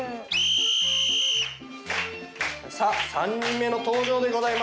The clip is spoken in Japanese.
さあ３人目の登場でございます。